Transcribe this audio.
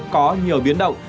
có nhiều biến động